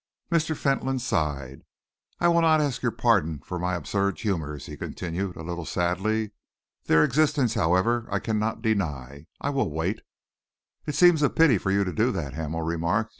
Mr. Fentolin sighed. "I will not ask your pardon for my absurd humours," he continued, a little sadly. "Their existence, however, I cannot deny. I will wait." "It seems a pity for you to do that," Hamel remarked.